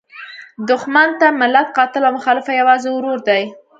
دوښمن د ملت قاتل او مخالف یوازې ورور دی.